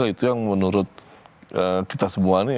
itu yang menurut kita semua nih